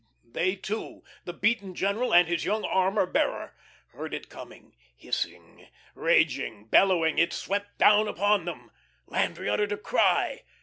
They two the beaten general and his young armour bearer heard it coming; hissing, raging, bellowing, it swept down upon them. Landry uttered a cry.